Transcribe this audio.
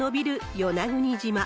与那国島。